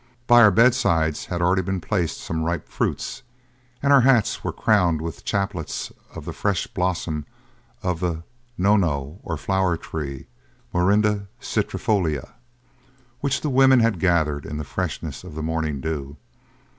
'By our bedside had already been placed some ripe fruits; and our hats were crowned with chaplets of the fresh blossom of the nono or flower tree (Morinda citrifolia), which the women had gathered in the freshness of the morning dew.